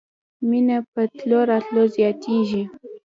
مينه په تلو راتلو زياتېږي.